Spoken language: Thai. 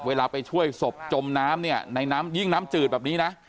เวลาไปช่วยศพจมน้ำเนี่ยในน้ำยิ่งน้ำจืดแบบนี้นะ